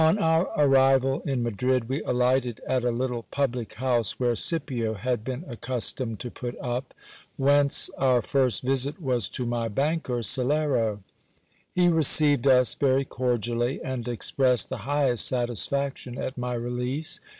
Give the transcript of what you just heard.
Ox our arrival in Madrid, we alighted at a little public house where Scipio had been accustomed to put up, whence our first visit was to my banker, Salero. He received us very cordially, and expressed the highest satisfaction at my release.